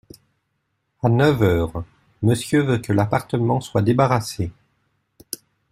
À neuf heures, Monsieur veut que l’appartement soi débarrassé.